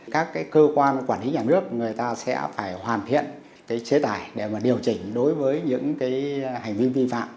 các cơ quan quản lý nhà nước người ta sẽ phải hoàn thiện cái chế tải để điều chỉnh đối với những cái hành vi vi phạm